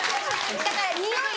だからにおいに。